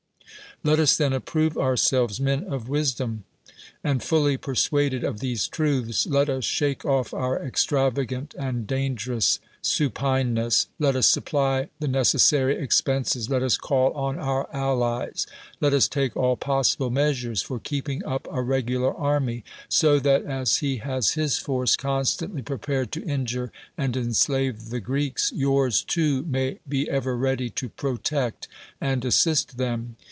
Let us, then, approve ourselves men of wis dom; and, fully pei suaded of these truths, let us shake off our extrava<^ant and dangerous su pineness; let us supply the necessary expenses; let us call on our allies; let us take all possible measures for keeping up a regular army; so that, as he has his force con.stantly prepared to injure and enslave the (j reeks, yours too may be ever ready to protect and assist them.